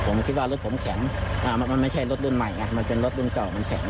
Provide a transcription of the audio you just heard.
ผมคิดว่ารถผมแข็งมันไม่ใช่รถรุ่นใหม่ไงมันเป็นรถรุ่นเก่ามันแข็ง